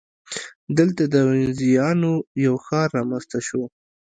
دلته د وینزیانو یو ښار رامنځته شو